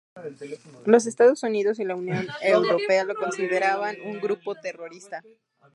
Los Estados Unidos y la Unión Europea lo consideraban un grupo terrorista.